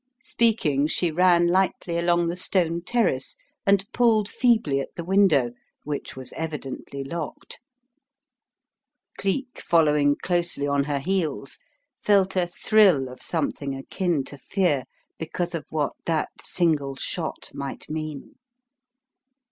Speaking, she ran lightly along the stone terrace and pulled feebly at the window, which was evidently locked. Cleek, following closely on her heels, felt a 20 The Riddle of the Purple Emperor thrill of something akin to fear because of what that single shot might mean.